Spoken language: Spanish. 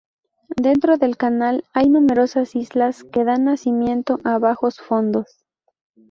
Dentro del canal hay numerosas islas que dan nacimiento a bajos fondos.